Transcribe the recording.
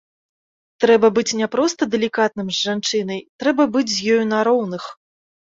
Трэба быць не проста далікатным з жанчынай, трэба быць з ёй на роўных.